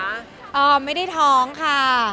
ไม่ได้ท้องค่ะ